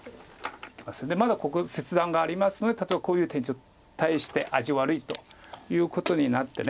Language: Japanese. まだここ切断がありますので例えばこういう手に対して味悪いということになって。